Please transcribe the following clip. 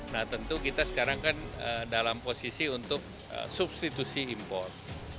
nah tentu kita sekarang kan dalam posisi untuk substitusi import